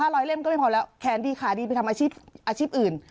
ร้อยเล่มก็ไม่พอแล้วแขนดีขาดีไปทำอาชีพอื่น